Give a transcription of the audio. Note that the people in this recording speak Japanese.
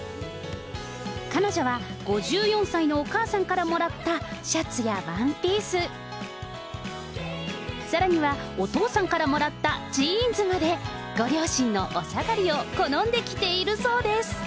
彼女は５４歳のお母さんからもらったシャツやワンピース、さらにはお父さんからもらったジーンズまで、ご両親のおさがりを好んで着ているそうです。